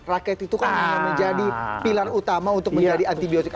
rakyat itu kan menjadi pilar utama untuk menjadi antibiotik